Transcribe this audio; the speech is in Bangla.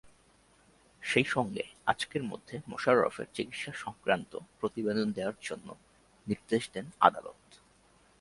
সেই সঙ্গে আজকের মধ্যে মোশাররফের চিকিৎসাসংক্রান্ত প্রতিবেদন দেওয়ার জন্য নির্দেশ দেন আদালত।